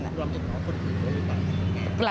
รวมจากน้องคนอื่นด้วยหรือเปล่า